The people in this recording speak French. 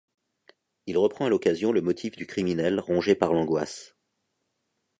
Il reprend à l'occasion le motif du criminel rongé par l'angoisse.